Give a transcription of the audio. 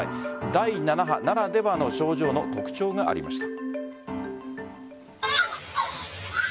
第７波ならではの症状の特徴がありました。